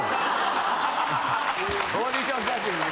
オーディション写真に。